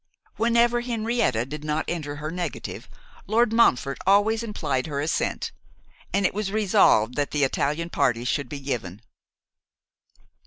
Whenever Henrietta did not enter her negative Lord Montfort always implied her assent, and it was resolved that the Italian party should be given.